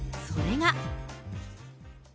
それが。